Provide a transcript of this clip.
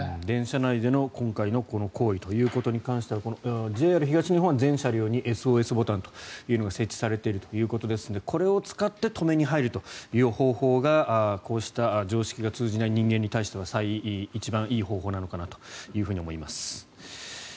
電車内での今回のこの行為に関してはＪＲ東日本は全車両にＳＯＳボタンというのが設置されているということですのでこれを使って止めに入るという方法がこうした常識が通じない人間に対しては一番いい方法なのかなと思います。